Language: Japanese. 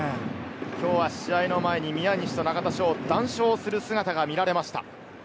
今日は試合の前に宮西と中田翔、談笑する姿が見られました。